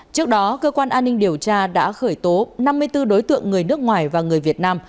trước đó cơ quan an ninh điều tra đã khởi tố năm mươi bốn đối tượng người nước ngoài và người việt nam